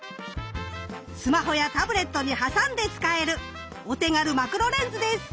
スマホやタブレットに挟んで使えるお手軽マクロレンズです。